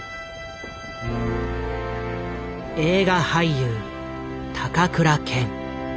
映画俳優高倉健。